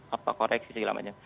apa koreksi segala macam